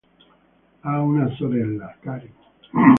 Ha una sorella, Karen.